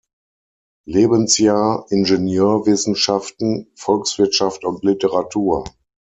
Lebensjahr Ingenieurwissenschaften, Volkswirtschaft und Literatur.